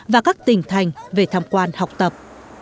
và các tỉnh thành về tham quan học tập